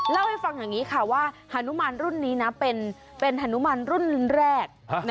เล่าให้ฟังอย่างนี้ค่ะว่าฮานุมานรุ่นนี้นะเป็นฮานุมานรุ่นแรก